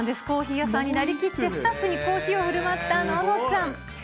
コーヒー屋さんになりきって、スタッフにコーヒーをふるまったののちゃん。